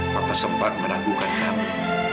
papa sempat meragukan kamu